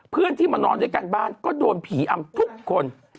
เพื่อนที่มานอนด้วยกันบ้านก็โดนผีอำทุกคน